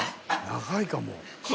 ［長いかも］